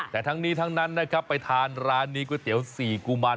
แต่ทั้งนี้ทั้งนั้นนะครับไปทานร้านนี้ก๋วยเตี๋ยว๔กุมาร